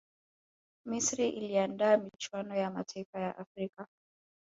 misri iliandaa michuano ya mataifa ya afrika